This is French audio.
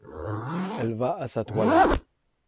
Elle va à sa toilette.